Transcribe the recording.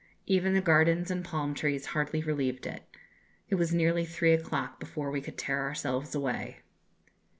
Even the gardens and palm trees hardly relieved it. It was nearly three o'clock before we could tear ourselves away."